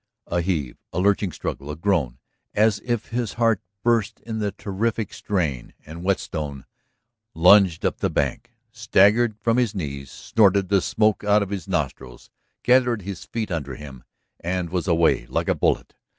A heave, a lurching struggle, a groan as if his heart burst in the terrific strain, and Whetstone lunged up the bank, staggered from his knees, snorted the smoke out of his nostrils, gathered his feet under him, and was away like a bullet.